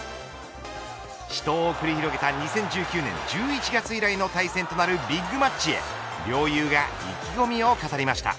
死闘を繰り広げた２０１９年１１月以来の対戦となるビッグマッチへ両雄が意気込みを語りました。